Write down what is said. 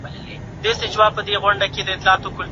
زه په لندن کې ستا د لیدلو او بیا لیدلو په تمه یم.